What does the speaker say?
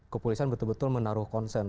kepolisian betul betul menaruh konsen